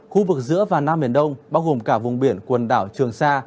khu vực giữa và nam biển đông bao gồm cả vùng biển quần đảo trường sa